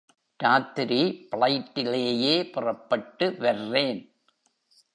ராத்திரி ப்ளைட்டிலேயே புறப்பட்டு வர்றேன்.